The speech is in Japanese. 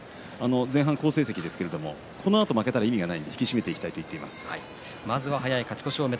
前半好成績ですけれどもこのあと負けたら意味がないので引き締めていきたいと言っています。